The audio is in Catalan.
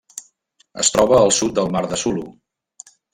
Es troba al sud del Mar de Sulu.